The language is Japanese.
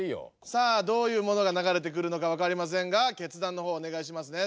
さあどういうものが流れてくるのかわかりませんが決断のほうをおねがいしますね。